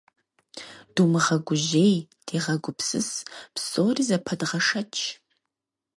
Думыгъэгужьей, дегъэгупсыс, псори зэпэдгъэшэч.